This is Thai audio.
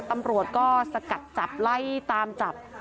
ตำรวจก็สกัดจับไล่ตามจับ